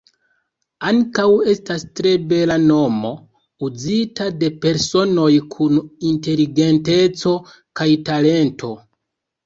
Ankaŭ estas tre bela nomo, uzita de personoj kun inteligenteco kaj talento.